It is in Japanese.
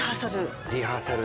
リハーサル？